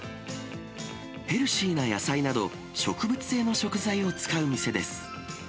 ヘルシーな野菜など、植物性の食材を使う店です。